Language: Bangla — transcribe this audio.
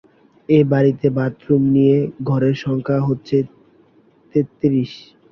এবাড়িতে বাথরুম নিয়ে ঘরের সংখ্যা হচ্ছে তেত্রিশ।